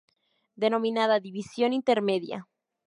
Denominada "División Intermedia".